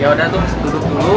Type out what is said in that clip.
yaudah tuh duduk dulu